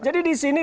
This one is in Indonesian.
jadi di sini